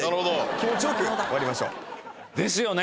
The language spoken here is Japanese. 気持ちよく終わりましょう。ですよね。